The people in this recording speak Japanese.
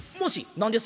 「何です？」。